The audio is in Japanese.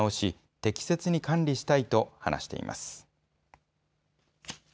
適切に管理したいと話しています。